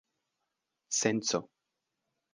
senco